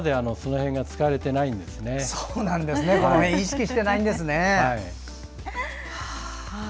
ふだん意識していないんですね。